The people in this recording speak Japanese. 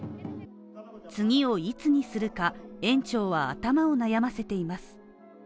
次をいつにするか、園長は頭を悩ませています。